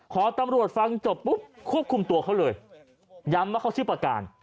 พอตำรวจฟังจบปุ๊บควบคุมตัวเขาเลยย้ำว่าเขาชื่อประการ